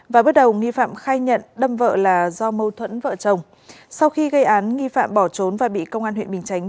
và bước đầu nghi phạm khai nhận đâm vợ là do mâu thuẫn vợ chồng sau khi gây án nghi phạm bỏ trốn và bị công an huyện bình chánh